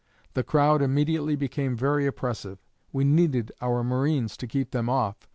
The crowd immediately became very oppressive. We needed our marines to keep them off.